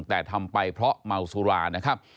แต่ทำไปเพราะเมาสุรานะครับ